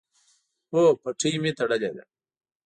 هو، پټۍ می تړلې ده